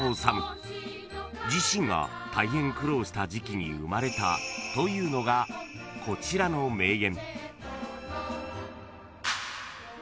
［自身が大変苦労した時期に生まれたというのがこちらの名言］